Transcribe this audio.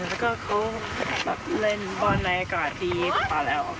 แล้วก็เขาเล่นบอลในอากาศที่เปล่าแล้ว